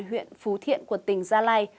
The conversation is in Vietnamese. huyện phú thiện của tỉnh gia lai